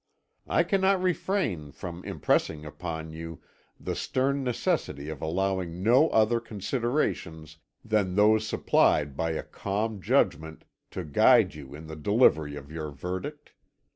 "I cannot refrain from impressing upon you the stern necessity of allowing no other considerations than those supplied by a calm judgment to guide you in the delivery of your verdict.